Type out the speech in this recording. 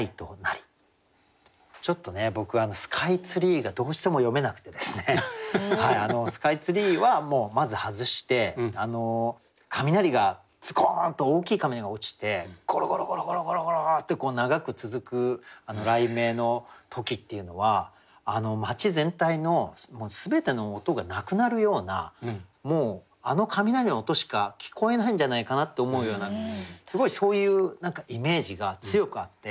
ちょっと僕「スカイツリー」がどうしても詠めなくてですね「スカイツリー」はもうまず外して雷がズコーンと大きい雷が落ちてゴロゴロゴロゴロって長く続く雷鳴の時っていうのは街全体の全ての音がなくなるようなもうあの雷の音しか聞こえないんじゃないかなって思うようなすごいそういうイメージが強くあって。